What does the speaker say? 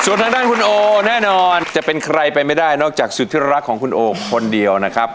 ส่วนทางด้านคุณโอแน่นอนจะเป็นใครไปไม่ได้นอกจากสุดที่รักของคุณโอคนเดียวนะครับ